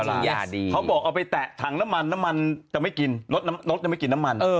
เขาบอกเอาไปแตะถังน้ำมันน้ำมันจะไม่กินรถจะไม่กินน้ำมัน